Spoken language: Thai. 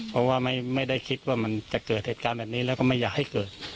เพราะว่าไม่ได้คิดว่ามันจะเกิดเหตุการณ์แบบนี้แล้วก็ไม่อยากให้เกิด